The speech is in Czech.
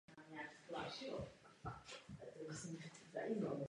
Díky povolání svého otce v dětství vyrůstal v Západním Německu a Japonsku.